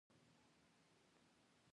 دوی تر ډېر وخت پورې آرام پاتېږي.